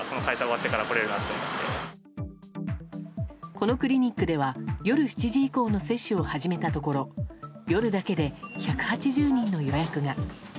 このクリニックでは夜７時以降の接種を始めたところ夜だけで１８０人の予約が。